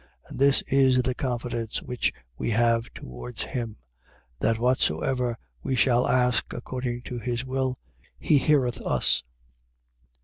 5:14. And this is the confidence which we have towards him: That, whatsoever we shall ask according to his will, he heareth us.